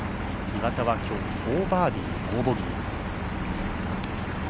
岩田は今日４バーディー、ノーボギー。